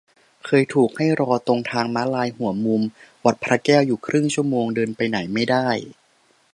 เคยถูกให้รอตรงทางม้าลายหัวมุมวัดพระแก้วอยู่ครึ่งชั่วโมง เดินไปไหนไม่ได้